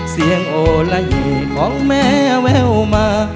เสียงโอละหิของแม่แววมา